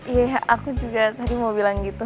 iya aku juga tadi mau bilang gitu